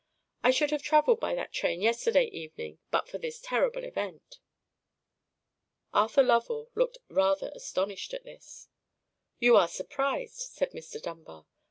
I should have travelled by that train yesterday evening, but for this terrible event." Arthur Lovell looked rather astonished at this. "You are surprised," said Mr. Dunbar.